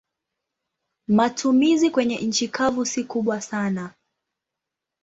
Matumizi kwenye nchi kavu si kubwa sana.